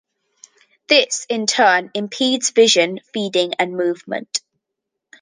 This, in turn, impedes vision, feeding, and movement.